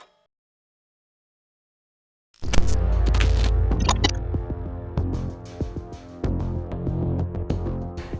ใกล้เย็นดี